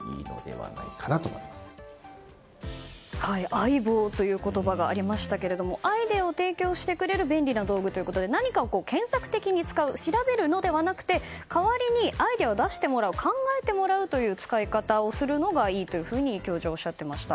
相棒という言葉がありましたがアイデアを提供してくれる便利な道具ということで何かを検索的に使う調べるのではなくて代わりにアイデアを出してもらう考えてもらうという使い方をするのがいいというふうに教授はおっしゃっていました。